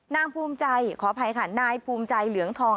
ภูมิใจขออภัยค่ะนายภูมิใจเหลืองทอง